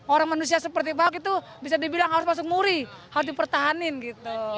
orang manusia seperti pak ahok itu bisa dibilang harus masuk muri harus dipertahanin gitu